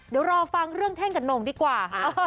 เดี๋ยวรอฟังเรื่องแท่งกับโหน่งดีกว่าค่ะ